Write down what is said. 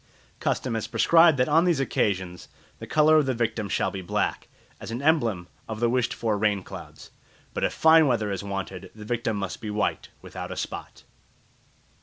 Custom has prescribed that on these occasions the colour of the victim shall be black, as an emblem of the wished for rain clouds. But if fine weather is wanted, the victim must be white, without a spot.